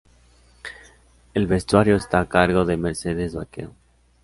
El vestuario está a cargo de Mercedes Baquero.